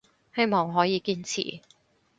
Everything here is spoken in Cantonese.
希望可以堅持